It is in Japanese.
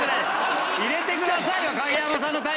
「入れてください」は。